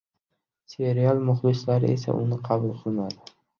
Serial muxlislari esa uni qabul qilmadi